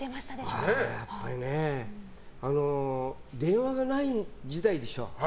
やっぱり電話がない時代でしょ。